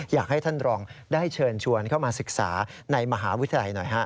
อยากให้ท่านรองได้เชิญชวนเข้ามาศึกษาในมหาวิทยาลัยหน่อยฮะ